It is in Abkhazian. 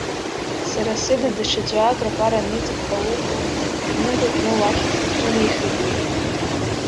Сара сыда даҽаӡәы аграпара аниҵап ҳәа уҟоу, иныга кны уахь иҿынеихеит уи.